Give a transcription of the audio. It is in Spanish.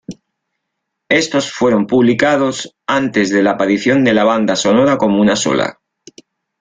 Estos fueron publicados antes de la aparición de la banda sonora como una sola.